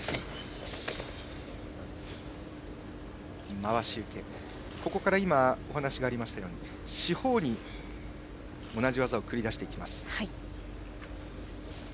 回し受けからお話がありましたように四方に同じ技を繰り出します。